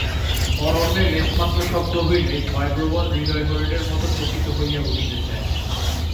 অরণ্যে লেশমাত্র শব্দ হইলেই ভয়প্রবণ হৃদয় হরিণের মতো চকিত হইয়া উঠিতেছে।